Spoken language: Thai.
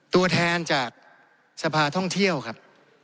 ตัวแทนจากสภาท่องเที่ยวครับ